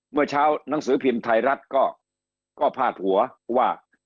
เมื่อเช้าหนังสือพิมพ์ไทยรัฐก็พาดหัวว่า